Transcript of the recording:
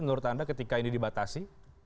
menurut anda ketika ini dibatasi